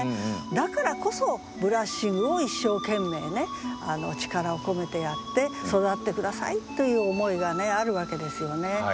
だからこそブラッシングを一生懸命ね力を込めてやって育って下さいという思いがあるわけですよね。